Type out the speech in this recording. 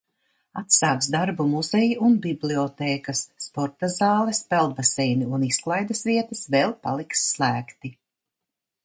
Atsāks darbu muzeji un bibliotēkas. Sporta zāles, peldbaseini un izklaides vietas vēl paliks slēgti.